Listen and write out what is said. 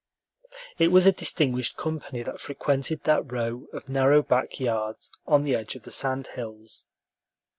It was a distinguished company that frequented that row of narrow back yards on the edge of the sand hills.